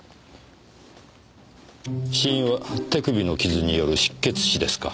死因は手首の傷による失血死ですか。